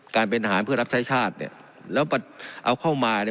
การเป็นอาหารเพื่อรับใช้ชาติเนี่ยแล้วเอาเข้ามาเนี่ย